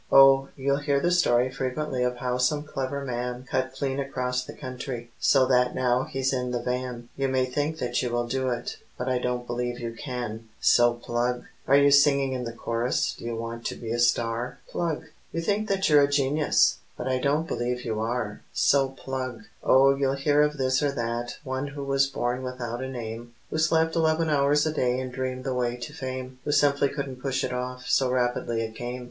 Oh, you'll hear the story frequently of how some clever man Cut clean across the country, so that now he's in the van; You may think that you will do it, but I don't believe you can, So plug! [Illustration: Do you want to reach the heights? Page 92.] Are you singing in the chorus? Do you want to be a star? Plug! You may think that you're a genius, but I don't believe you are, So plug! Oh, you'll hear of this or that one who was born without a name, Who slept eleven hours a day and dreamed the way to fame, Who simply couldn't push it off, so rapidly it came!